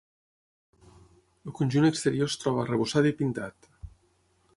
El conjunt exterior es troba arrebossat i pintat.